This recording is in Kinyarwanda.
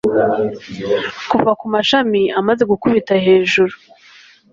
kuva kumashami amaze gukubita hejuru